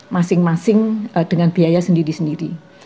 masing masing dengan biaya sendiri sendiri